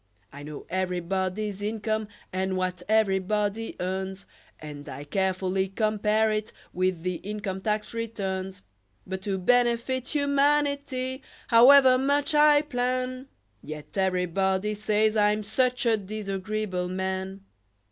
I know everybody's income and what everybody earns, And I carefully compare it with the income tax returns; But to benefit humanity, however much I plan, Yet everybody says I'm such a disagreeable man!